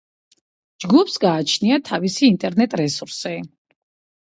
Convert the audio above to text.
ჯგუფს გააჩნია თავისი ინტერნეტ რესურსი.